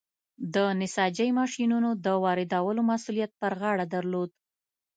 د نساجۍ ماشینونو د واردولو مسوولیت پر غاړه درلود.